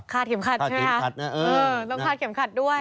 คาดเข็มขัดใช่ไหมครับต้องคาดเข็มขัดด้วยนะเออ